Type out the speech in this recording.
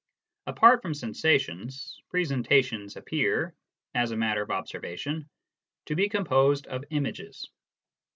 Apart from sensations, " presentations " appear, as a matter of observation, to be composed of images.